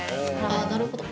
あ、なるほど。